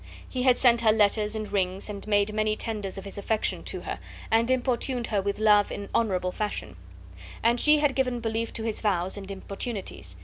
He had sent her letters and rings, and made many tenders of his affection to her, and importuned her with love in honorable fashion; and she had given belief to his vows and importunities.